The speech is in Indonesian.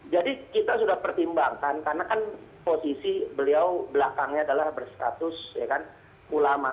jadi kita sudah pertimbangkan karena kan posisi beliau belakangnya adalah berstatus ulama